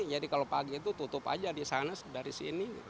jadi kalau pagi itu tutup aja di sana dari sini